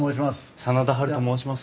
真田ハルと申します。